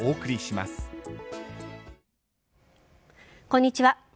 こんにちは。